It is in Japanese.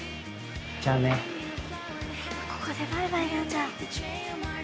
ここでバイバイなんだ。